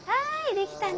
できたね！